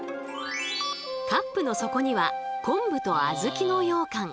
カップの底には昆布とあずきのようかん。